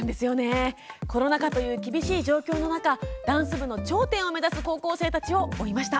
コロナ禍という厳しい状況の中ダンス部の頂点を目指す高校生たちを追いました。